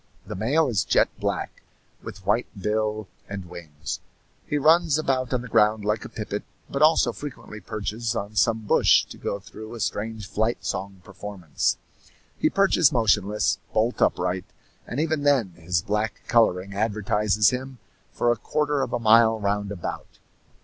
The male is jet black, with white bill and wings. He runs about on the ground like a pipit, but also frequently perches on some bush to go through a strange flight song performance. He perches motionless, bolt upright, and even then his black coloring advertises him for a quarter of a mile round about.